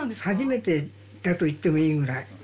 初めてだと言ってもいいぐらい。